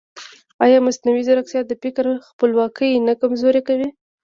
ایا مصنوعي ځیرکتیا د فکر خپلواکي نه کمزورې کوي؟